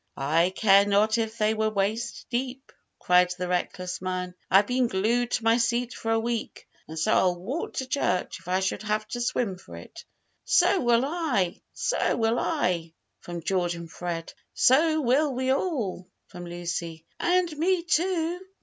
"I care not if they were waist deep!" cried the reckless man: "I've been glued to my seat for a week; so I'll walk to church, if I should have to swim for it." "So will I! so will I!" from George and Fred; "So will we all!" from Lucy; "And me, too!"